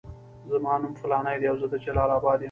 زما نوم فلانی دی او زه د جلال اباد یم.